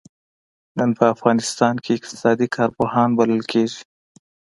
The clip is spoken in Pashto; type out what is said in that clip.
نن په افغانستان کې اقتصادي کارپوهان بلل کېږي.